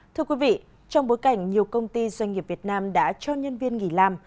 thưa quý vị trong bối cảnh nhiều công ty doanh nghiệp việt nam đã cho nhân viên nghỉ làm